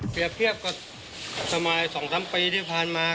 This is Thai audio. เทียบกับสมัย๒๓ปีที่ผ่านมา